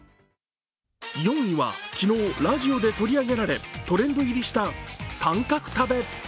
４位は、昨日ラジオで取り上げられトレンド入りした三角食べ。